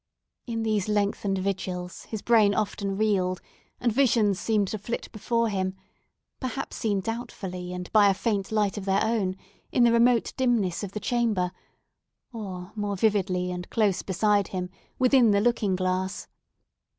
In these lengthened vigils, his brain often reeled, and visions seemed to flit before him; perhaps seen doubtfully, and by a faint light of their own, in the remote dimness of the chamber, or more vividly and close beside him, within the looking glass.